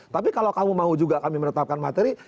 tapi kalau kamu mau juga kami menetapkan materi